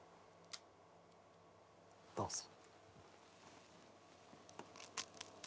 どうぞ。